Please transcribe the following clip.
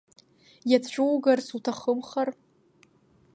Иацәугарц уҭахымхар…